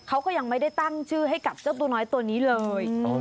เขาก็ยังไม่ได้ตั้งชื่อให้กับเจ้าตัวน้อยตัวนี้เลย